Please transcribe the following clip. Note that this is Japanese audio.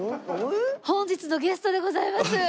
本日のゲストでございます。